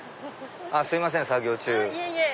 すいません作業中。